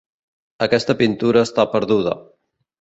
Aquesta pintura està perduda.